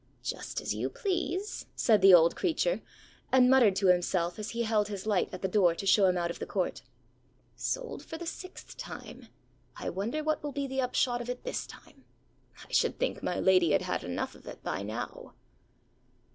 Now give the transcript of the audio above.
ãJust as you please,ã said the old creature, and muttered to himself as he held his light at the door to show him out of the court: ãSold for the sixth time! I wonder what will be the upshot of it this time. I should think my lady had enough of it by now!